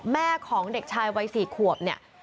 แม่ของเด็กชายวัย๔ขวบเนี่ย